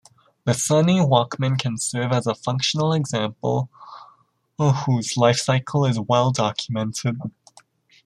The Sony Walkman can serve as a functional example whose life cycle is well-documented.